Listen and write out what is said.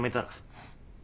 えっ！？